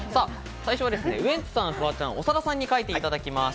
最初はウエンツさん、フワちゃん、長田さんに書いていただきます。